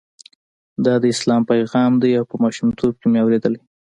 دا د اسلام پیغام دی او په ماشومتوب کې مې اورېدلی.